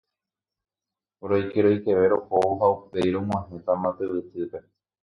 Roikeroikeve rohóvo ha upéi rog̃uahẽtama tyvytýpe